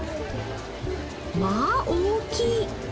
まあ大きい！